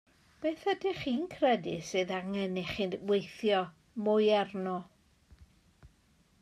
Beth ydych chi'n credu sydd angen i chi weithio mwy arno?